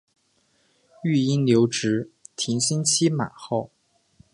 育婴留职停薪期满后